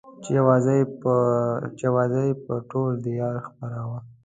چې اوازه يې پر ټول ديار خپره وه.